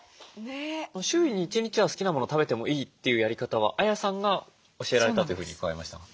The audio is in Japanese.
週に１日は好きなもの食べてもいいというやり方はＡＹＡさんが教えられたというふうに伺いましたが。